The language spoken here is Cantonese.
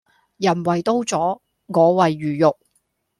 人為刀俎我為魚肉